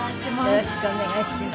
よろしくお願いします。